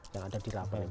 yang ada di luar